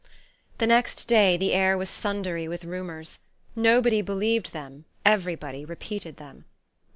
The next day the air was thundery with rumours. Nobody believed them, everybody repeated them.